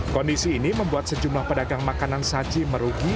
kondisi ini membuat sejumlah pedagang makanan saji merugi